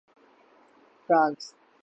France